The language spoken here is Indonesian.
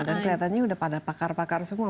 dan kelihatannya sudah pada pakar pakar semua